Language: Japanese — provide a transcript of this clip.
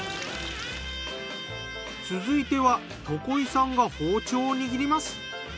続いては床井さんが包丁を握ります。